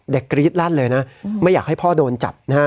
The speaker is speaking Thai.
เด็กกรี๊ดรัดเลยนะไม่อยากให้พ่อโดนจับ